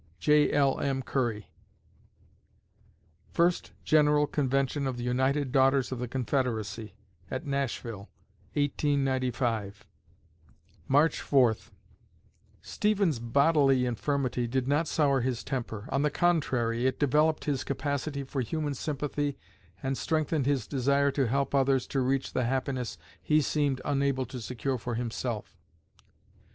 J. L. M. CURRY First general convention of the United Daughters of the Confederacy, at Nashville, 1895 March Fourth Stephens' bodily infirmity did not sour his temper. On the contrary, it developed his capacity for human sympathy and strengthened his desire to help others to reach the happiness he seemed unable to secure for himself.